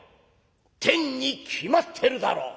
「天に決まってるだろ。